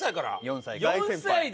４歳で！？